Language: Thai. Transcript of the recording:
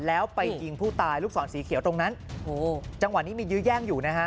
แล้วไปยิงผู้ตายลูกศรสีเขียวตรงนั้นโอ้โหจังหวะนี้มียื้อแย่งอยู่นะฮะ